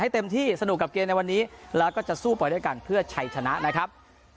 เต็มที่สนุกกับเกมในวันนี้แล้วก็จะสู้ไปด้วยกันเพื่อชัยชนะนะครับ